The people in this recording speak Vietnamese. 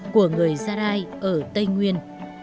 của người gia lai ở tây nguyên